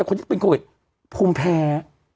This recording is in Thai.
คนที่เป็นโควิดภูมิแพ้